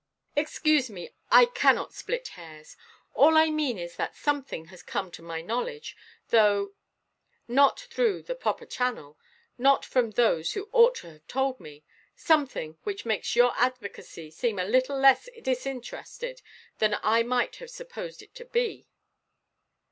"Excuse me; I cannot split hairs. All I mean is that something has come to my knowledge—not through the proper channel, not from those who ought to have told me—something which makes your advocacy seem a little less disinterested than I might have supposed it to be."